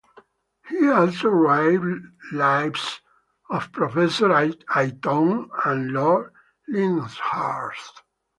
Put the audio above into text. He also wrote "Lives" of Professor Aytoun and Lord Lyndhurst.